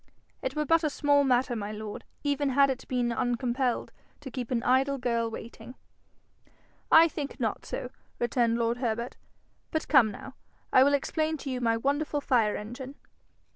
'It were but a small matter, my lord, even had it been uncompelled, to keep an idle girl waiting.' 'I think not so,' returned lord Herbert. 'But come now, I will explain to you my wonderful fire engine.'